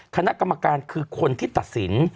คณะกรรมการคือคนที่ตัดสิน